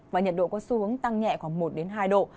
và nhiệt độ có xu hướng tăng nhẹ khoảng một hai độ